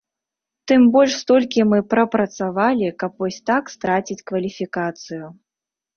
Тым больш столькі мы прапрацавалі, каб вось так страціць кваліфікацыю.